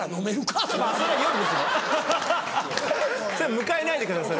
迎えないでください